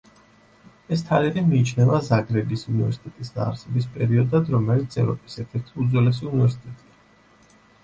ეს თარიღი მიიჩნევა ზაგრების უნივერსიტეტის დაარსების პერიოდად, რომელიც ევროპის ერთ-ერთი უძველესი უნივერსიტეტია.